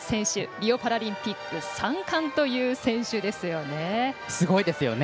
リオパラリンピック３冠という選手ですよね。